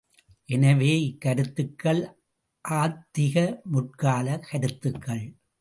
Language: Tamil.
எனவே இக்கருத்துக்கள் ஆத்திக முற்கால கருத்துக்கள்.